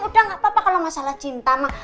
udah gak apa apa kalau masalah cinta